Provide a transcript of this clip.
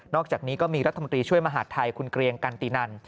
อกจากนี้ก็มีรัฐมนตรีช่วยมหาดไทยคุณเกรียงกันตินัน